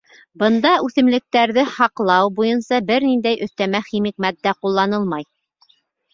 Бында үҫемлектәрҙе һаҡлау буйынса бер ниндәй өҫтәмә химик матдә ҡулланылмай.